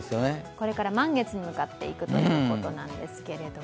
これから満月に向かっていくということなんですけれども。